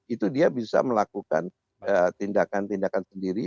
itu dia bisa melakukan tindakan tindakan sendiri